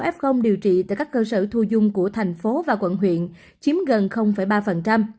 một ba trăm tám mươi sáu f điều trị tại các cơ sở thu dung của thành phố và quận huyện chiếm gần ba